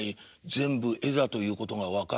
全部絵だということが分かる。